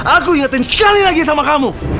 aku ingetin sekali lagi sama kamu